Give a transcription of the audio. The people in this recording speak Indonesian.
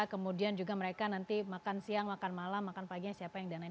kemudian juga mereka nanti makan siang makan malam makan paginya siapa yang danain